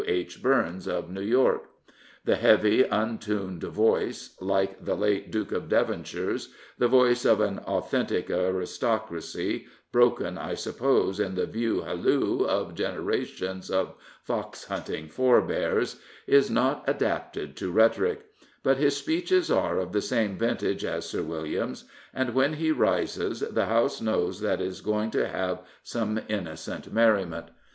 H. Burns, of New York. The heavy, untuned voice — like the late Duke of Devonshire's, the voice of an authentic aristocracy, broken, I suppose, in the view halloo " of generations of fox hunting forebears — is not adapted to rhetoric; but his speeches are of the same vintage as Sir William's, and when he rises the House knows that it is going to have some innocent merriment.